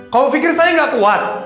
kau pikir saya gak kuat